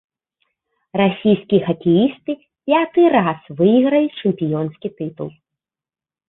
Расійскія хакеісты пяты раз выйгралі чэмпіёнскі тытул.